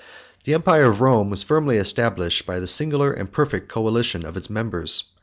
The empire of Rome was firmly established by the singular and perfect coalition of its members.